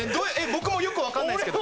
僕もよくわかんないですけど。